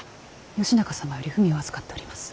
義仲様より文を預かっております。